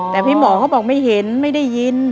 แต่พี่หมอเขาบอกไม่เห็นไม่ได้ยิน